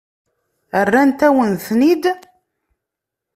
Rrant-awen-ten-id.